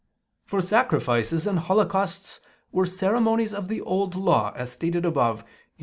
For sacrifices and holocausts were ceremonies of the Old Law, as stated above (Q.